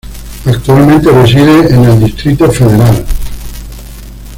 Actualmente reside en el Distrito Federal.